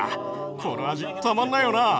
この味たまんないよな？